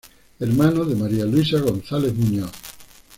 Hermano de María Luisa González Muñoz.